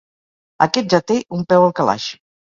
Aquest ja té un peu al calaix.